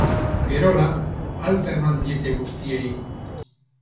Gerora, alta eman diete guztiei.